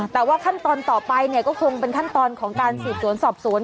แต่ว่าขั้นตอนต่อไปก็คงเป็นขั้นตอนของการสืบสวนสอบสวน